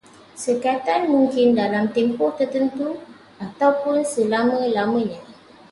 Sekatan mungkin dalam tempoh tertentu ataupun selama-lamanya